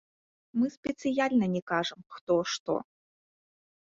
Мы спецыяльна не кажам, хто што.